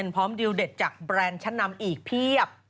พร้อมดิวเด็ดจากแบรนด์ชั้นนำอีกเพียบ